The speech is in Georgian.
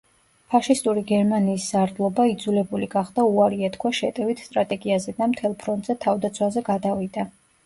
ფაშისტური გერმანიის სარდლობა იძულებული გახდა უარი ეთქვა შეტევით სტრატეგიაზე და მთელ ფრონტზე თავდაცვაზე გადავიდა.